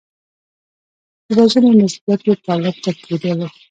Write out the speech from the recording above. د وژنې نسبیت یې طالب ته کېدلو.